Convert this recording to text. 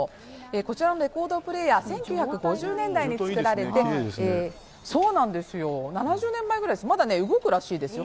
こちらのレコードプレーヤー、１９５０年代に作られて、７０年前ぐらいです、まだ動くらしいですよ。